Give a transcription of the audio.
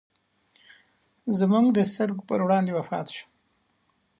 زموږ د سترګو پر وړاندې وفات شو.